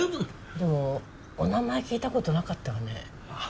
でもお名前聞いた事なかったわね。